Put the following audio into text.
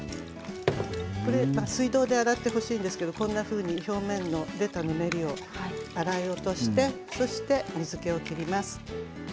水道で洗ってほしいんですけどこんなふうに表面に出たぬめりを洗い落としてそして、水けを切ります。